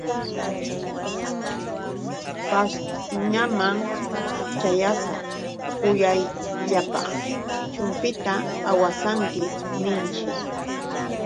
Pashñaman ćhayasa: Kuyayllapaq chumpita awasanki, ninshi.